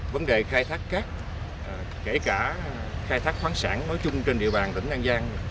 vấn đề khai thác cát kể cả khai thác khoáng sản nói chung trên địa bàn tỉnh an giang